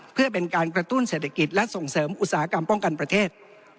เพื่อเป็นการกระตุ้นเศรษฐกิจและส่งเสริมอุตสาหกรรมป้องกันประเทศ